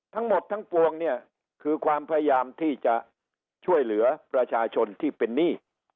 ทั้งหมดทั้งปวงเนี่ยคือความพยายามที่จะช่วยเหลือประชาชนที่เป็นหนี้